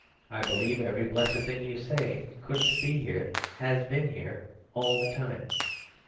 I believe every blessed thing you say couldn't be here has been here all the time.